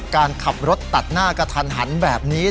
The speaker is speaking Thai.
การขับรถตัดหน้ากระทันหันแบบนี้